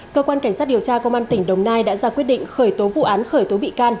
cơ quan cảnh sát điều tra công an tỉnh đồng nai đã ra quyết định khởi tố vụ án khởi tố bị can